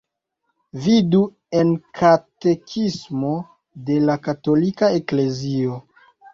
Vidu en Katekismo de la Katolika Eklezio.